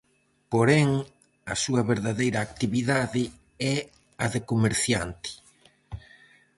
Porén, a súa verdadeira actividade é a de comerciante.